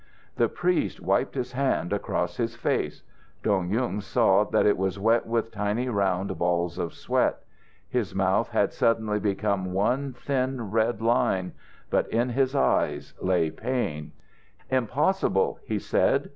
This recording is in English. The priest wiped his hand across his face. Dong Yung saw that it was wet with tiny round balls of sweat. His mouth had suddenly become one thin red line, but in his eyes lay pain. "Impossible," he said.